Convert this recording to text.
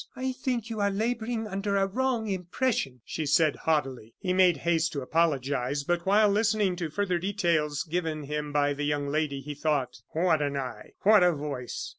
"I think you are laboring under a wrong impression," she said, haughtily. He made haste to apologize; but while listening to further details given him by the young lady, he thought: "What an eye! what a voice!